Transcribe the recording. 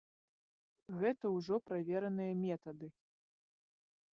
Гэта ўжо правераныя метады.